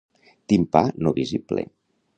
Timpà no visible.